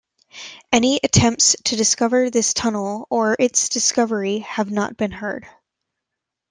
Any attempts to discover this tunnel or its discovery have not been heard.